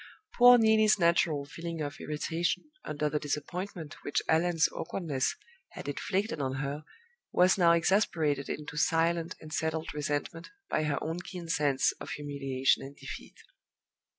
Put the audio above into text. Poor Neelie's natural feeling of irritation under the disappointment which Allan's awkwardness had inflicted on her was now exasperated into silent and settled resentment by her own keen sense of humiliation and defeat.